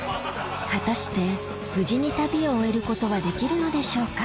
果たして無事に旅を終えることはできるのでしょうか？